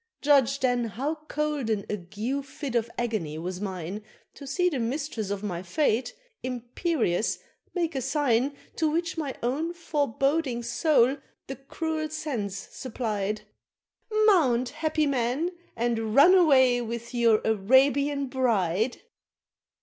Judge then how cold an ague fit of agony was mine To see the mistress of my fate, imperious, make a sign To which my own foreboding soul the cruel sense supplied: "Mount, happy man, and run away with your Arabian bride!"